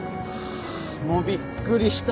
もうびっくりした。